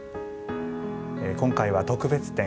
今回は特別展